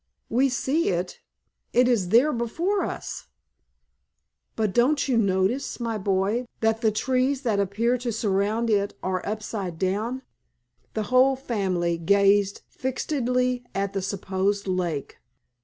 We see it, it is there before us——" "But don't you notice, my boy, that the trees that appear to surround it are upside down?" The whole family gazed fixedly at the supposed "lake."